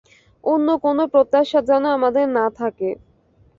অন্য কোন প্রত্যাশা যেন আমাদের না থাকে।